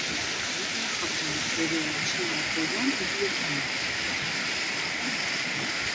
Habita en Japón, Corea, China, Taiwán y Vietnam.